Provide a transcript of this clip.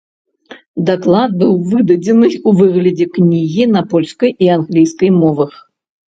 Даклад быў выдадзены ў выглядзе кнігі на польскай і англійскай мовах.